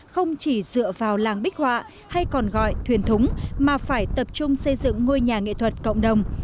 không chỉ dựa vào làng bích họa hay còn gọi thuyền thúng mà phải tập trung xây dựng ngôi nhà nghệ thuật cộng đồng